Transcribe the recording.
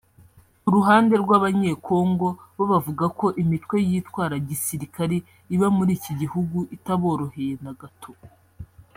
Ku ruhande rw’Abanyekongo bo bavuga ko imitwe yitwara gisirikari iba muri iki gihugu itaboroheye na gato